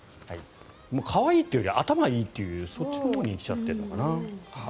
可愛いっていうより頭がいいっていうそっちのほうに来ちゃっているのかな。